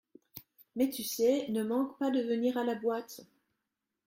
Mais tu sais, ne manque pas de venir à la boîte.